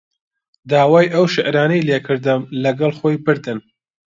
داوای ئەو شیعرانەی لێ کردم، لەگەڵ خۆی بردن